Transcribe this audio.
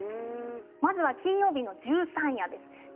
まずは金曜日の十三夜です。